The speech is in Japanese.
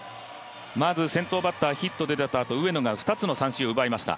まず先頭バッターヒットで出たあと上野が２つの三振を奪いました。